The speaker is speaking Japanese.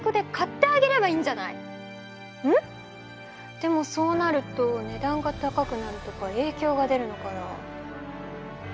でもそうなると値段が高くなるとかえいきょうが出るのかな？